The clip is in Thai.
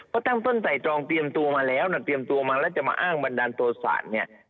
ก็ตั้งต้นไต่ตรองเตรียมตัวมาแล้วนะเตรียมตัวมาแล้วจะมาอ้างบันดาลโทษศาสตร์เนี่ย